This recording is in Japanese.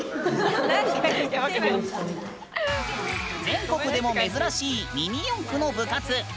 全国でも珍しいミニ四駆の部活。